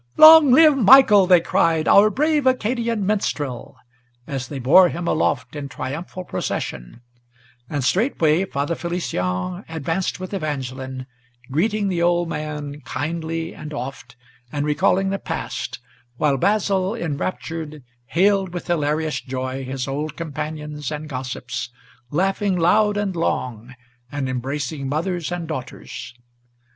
"Long live Michael," they cried, "our brave Acadian minstrel!" As they bore him aloft in triumphal procession; and straightway Father Felician advanced with Evangeline, greeting the old man Kindly and oft, and recalling the past, while Basil, enraptured, Hailed with hilarious joy his old companions and gossips, Laughing loud and long, and embracing mothers and daughters.